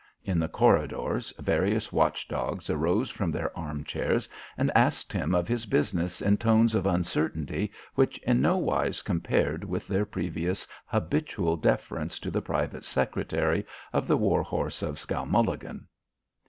In the corridors various watchdogs arose from their armchairs and asked him of his business in tones of uncertainty which in no wise compared with their previous habitual deference to the private secretary of the war horse of Skowmulligan.